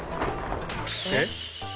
えっ？